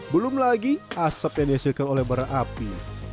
belum lagi asap yang dihasilkan oleh bara api